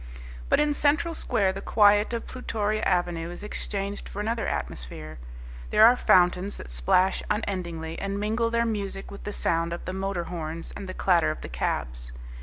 But in Central Square the quiet of Plutoria Avenue is exchanged for another atmosphere. There are fountains that splash unendingly and mingle their music with the sound of the motor horns and the clatter of the cabs.